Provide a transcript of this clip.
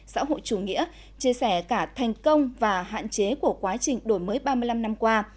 xã hội chủ nghĩa chia sẻ cả thành công và hạn chế của quá trình đổi mới ba mươi năm năm qua